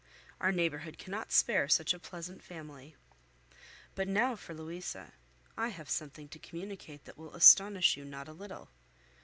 Our neighbourhood cannot spare such a pleasant family. But now for Louisa. I have something to communicate that will astonish you not a little.